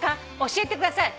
教えてください」